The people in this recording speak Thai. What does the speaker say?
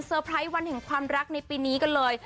ไพรส์วันแห่งความรักในปีนี้กันเลย